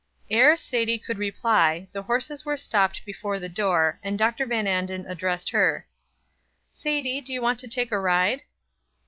Ere Sadie could reply the horses were stopped before the door, and Dr. Van Anden addressed her: "Sadie, do you want to take a ride?"